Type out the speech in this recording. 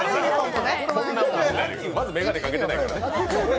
まず眼鏡かけてないからね。